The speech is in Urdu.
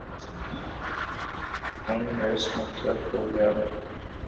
کم و بیش متروک ہو گیا ہے